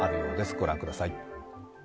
御覧ください。